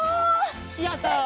やった！